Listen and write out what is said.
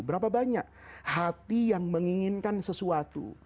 berapa banyak hati yang menginginkan sesuatu